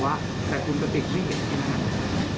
ไม่เคยมีใครพูดอย่างนั้นนะ